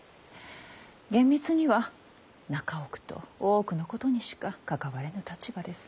厳密には中奥と大奥のことにしか関われぬ立場です。